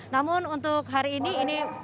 namun untuk hari ini ini